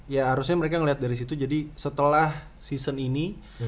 ya harusnya mereka ngeliat dari situ jadi setelah season ini